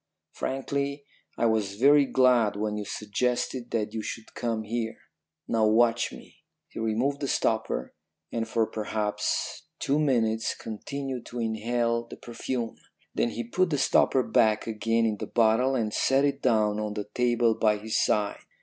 Frankly, I was very glad when you suggested that you should come here. Now, watch me.' "He removed the stopper, and for perhaps two minutes continued to inhale the perfume. Then he put the stopper back again in the bottle and set it down on the table by his side.